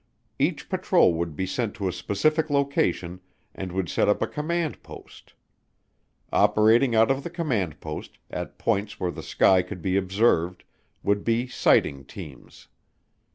Each patrol would be sent to a specific location and would set up a command post. Operating out of the command post, at points where the sky could be observed, would be sighting teams.